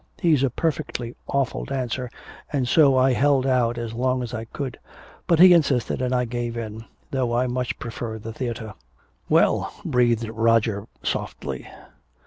He's a perfectly awful dancer, and so I held out as long as I could. But he insisted and I gave in, though I much prefer the theater." "Well!" breathed Roger softly.